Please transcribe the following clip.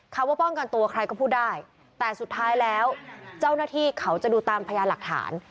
ว่าป้องกันตัวใครก็พูดได้แต่สุดท้ายแล้วเจ้าหน้าที่เขาจะดูตามพยานหลักฐาน